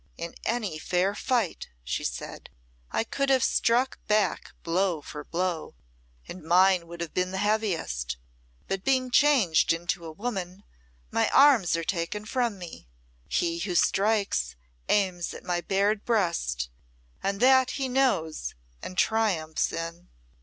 "In any fair fight," she said, "I could have struck back blow for blow and mine would have been the heaviest; but being changed into a woman, my arms are taken from me. He who strikes, aims at my bared breast and that he knows and triumphs in."